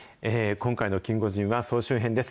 今回のキンゴジンは総集編です。